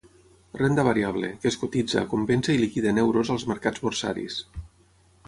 Renda variable, que es cotitza, compensa i liquida en euros als mercats borsaris.